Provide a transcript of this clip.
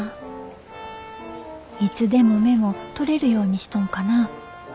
いつでもメモ取れるようにしとんかな。